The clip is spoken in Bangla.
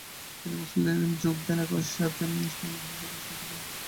তিনি মুসলিম লীগে যোগ দেন এবং একই সাথে কংগ্রেসের সদস্য থাকেন।